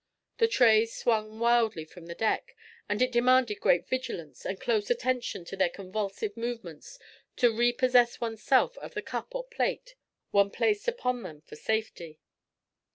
The trays swung wildly from the deck, and it demanded great vigilance and close attention to their convulsive movements to repossess one's self of the cup or plate one placed upon them for safety.